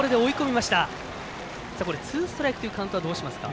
ツーストライクというカウントはどうしますか？